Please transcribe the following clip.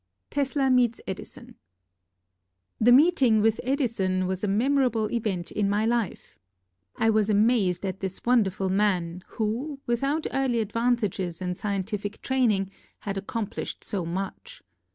Tesla Meets Edison The meeting with Edison was a memor able event in my life. I was amazed at this wonderful man who, without early advan tages and scientific training, had accom plished so much.